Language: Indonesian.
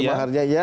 setuju maharnya iya